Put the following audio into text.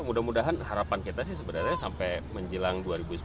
mudah mudahan harapan kita sih sebenarnya sampai menjelang dua ribu sembilan belas